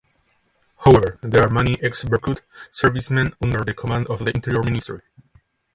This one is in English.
However, there are many ex-Berkut servicemen under the command of the Interior Ministry.